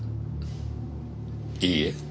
いいえ。